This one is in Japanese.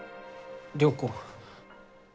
良子。